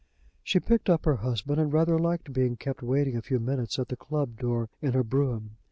She picked up her husband, and rather liked being kept waiting a few minutes at the club door in her brougham.